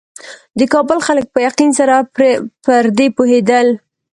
د کابل خلک په یقین سره پر دې پوهېدل.